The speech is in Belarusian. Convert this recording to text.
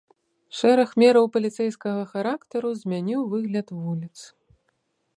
Шэраг мераў паліцэйскага характару змяніў выгляд вуліц.